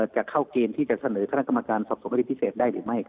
จะเข้าเกณฑ์ที่จะเสนอคณะกรรมการสอบสวนคดีพิเศษได้หรือไม่